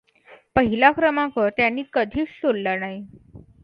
पहिला क्रमांक त्यांनी कधीच सोडला नाही.